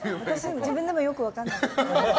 自分でもよく分からないです。